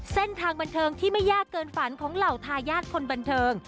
เส้นทางบันเทิงที่ไม่ยากเกินฝันของเหล่าทายาทคนบันเทิง